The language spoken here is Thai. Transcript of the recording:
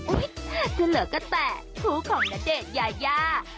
อุ๊ยคือเหลือก็แต่ครูของณเดชน์ยายา